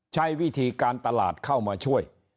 ใช้วิธีการตลาดเข้ามาช่วย